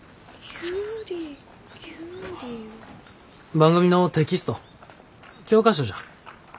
番組のテキスト教科書じゃ。